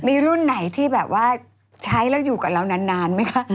มีรุ่นไหนที่แบบว่าใช้แล้วอยู่กับเรานานไหมคะ